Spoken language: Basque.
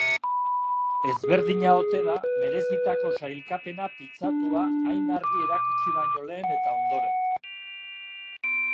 Ezberdina ote da merezitako sailkapena pitzatua hain argi erakutsi baino lehen eta ondoren.